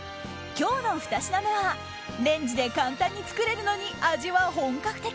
今日の２品目はレンジで簡単に作れるのに味は本格的！